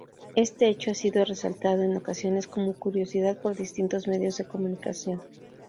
Este hecho ha sido resaltado en ocasiones como curiosidad por distintos medios de comunicación.